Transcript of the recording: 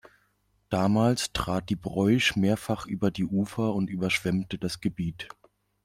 Damals trat die Breusch mehrfach über die Ufer und überschwemmte das Gebiet.